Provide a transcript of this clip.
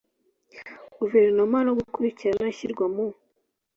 Guverinoma no gukurikirana ishyirwa mu